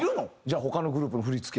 じゃあ他のグループの振付。